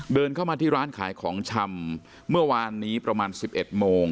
เดินเข้ามาที่ร้านขายของชำเมื่อวานนี้ประมาณ๑๑โมง